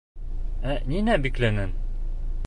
Ә ниңә бикләнең?